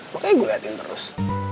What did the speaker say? makanya gue liatin terus